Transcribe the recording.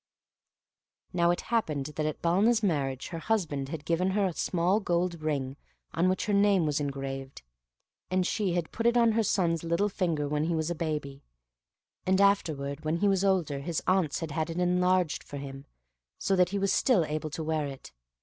Now it happened that at Balna's marriage her husband had given her a small gold ring on which her name was engraved, and she had put it on her little son's finger when he was a baby, and afterward when he was older his aunts had had it enlarged for him, so that he was still able to wear it.